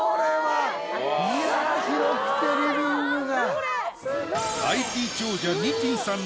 いや広くてリビングが。